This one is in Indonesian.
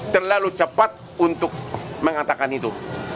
terlalu cepat untuk mengatakan itu